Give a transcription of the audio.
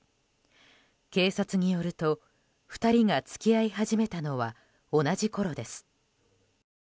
警察によると２人が付き合い始めたのは同じころです。